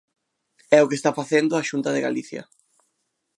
É o que está facendo a Xunta de Galicia.